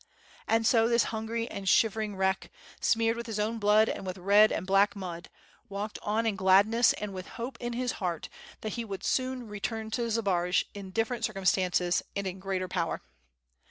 And so this hungry and shivering wreck, smeared with his own blood and with red and black mud, walked on in glad ness and with hope in his heart that he would soon return to Zbaraj in different circumstances and in greater power.